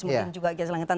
mungkin juga gaih selangitan